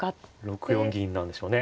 ６四銀なんでしょうね。